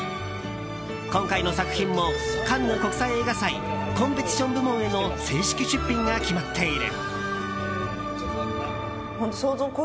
今回の作品もカンヌ国際映画祭コンペティション部門への正式出品が決まっている。